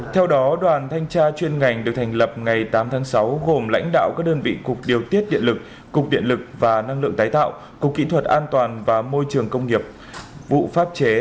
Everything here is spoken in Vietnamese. theo đó đoàn thanh tra chuyên ngành được thành lập ngày tám tháng sáu gồm lãnh đạo các đơn vị cục điều tiết điện lực cục điện lực và năng lượng tái tạo cục kỹ thuật an toàn và môi trường công nghiệp vụ pháp chế